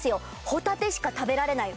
ホタテしか食べられない！